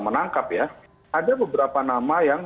menangkap ya ada beberapa nama yang